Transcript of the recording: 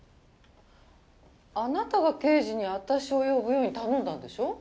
あなたが刑事に私を呼ぶように頼んだんでしょ？